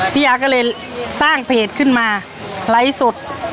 พี่อาก็เลยสร้างเพจขึ้นมาไลฟ์สด